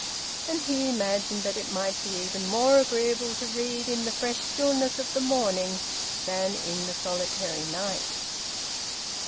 And he imagined that it might be even more agreeable to read in the fresh stillness of the morning than in the solitary night.